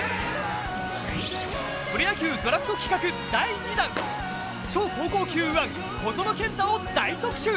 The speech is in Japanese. プロ野球ドラフト企画第２弾超高校級・小園健太を大特集！